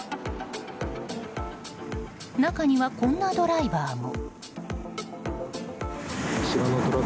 中には、こんなドライバーも。